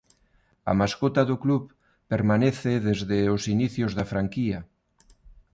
A mascota do club permanece desde os inicios da franquía.